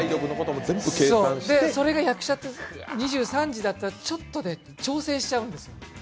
それが役者って２３時だったらちょっとで調整しちゃうんですよ。